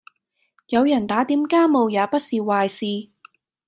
有人打點家務也不是壞事